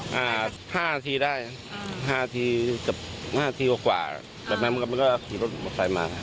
๕นาทีได้อยู่ตรงนั้นก็ขี่รถนะครับ